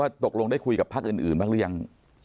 ตกลงได้คุยกับพักอื่นบ้างหรือยัง